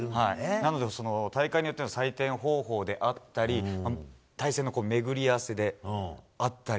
なので、大会によっての採点方法であったり対戦の巡り合わせであったり。